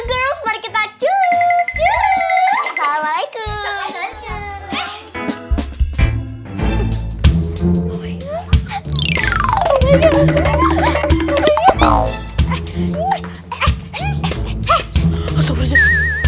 girls mari kita cuu suhu assalamualaikum